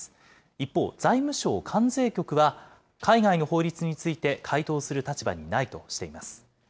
一方、財務省関税局は、海外の法律について回答する立場にないとしています。